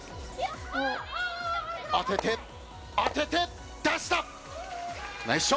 当てて、当てて、出した！